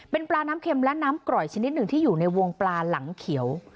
เป็นปลาน้ำเค็มและน้ำกร่อยชนิดหนึ่งที่อยู่ในวงปลาหลังเขียว